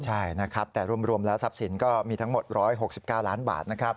ใช่แต่รวมแล้วทรัพย์สินก็มีทั้งหมด๑๖๙ล้านบาท